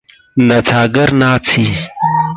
نڅاګر ناڅي.